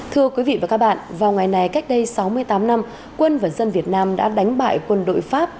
thưa quý vị và các bạn vào ngày này cách đây sáu mươi tám năm quân và dân việt nam đã đánh bại quân đội pháp